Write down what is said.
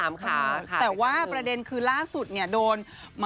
แต่ว่าประเด็นคือล่าสุดเนี่ยโดน